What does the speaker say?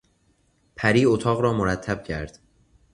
پری اتاق را مرتب کرد.